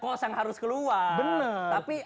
kos yang harus keluar bener tapi